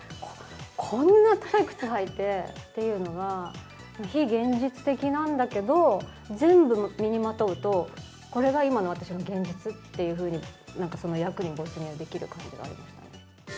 こんな高い靴履いてというのは、非現実的なんだけど、全部を身にまとうと、これが今の私の現実っていうふうに、なんか役に没入できる感じがありましたね。